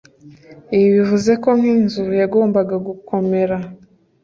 Ibi bivuze ko nk inzu yagombaga gokomere